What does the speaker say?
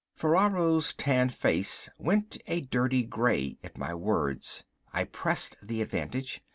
Ferraro's tanned face went a dirty gray at my words. I pressed the advantage.